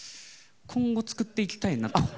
今後作っていきたいなと。